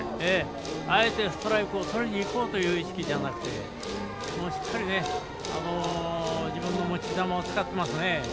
あえてストライクをとりにいこうという意識ではなくてしっかり自分の持ち球を使っていますね。